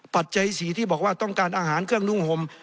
ปัจจัยสีที่บอกว่าต้องการอาหารเครื่องนุ่งห่ม